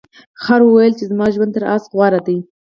خر وویل چې زما ژوند تر اس غوره دی.